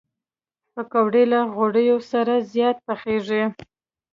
پکورې له غوړیو سره زیاتې پخېږي